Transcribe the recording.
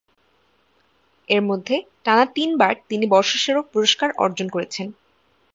এর মধ্যে টানা তিনবার তিনি বর্ষসেরা পুরস্কার অর্জন করেছেন।